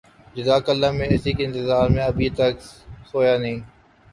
جزاک اللہ میں اسی کے انتظار میں ابھی تک سویا نہیں